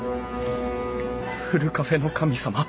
ふるカフェの神様。